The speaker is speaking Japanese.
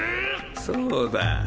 そうだ。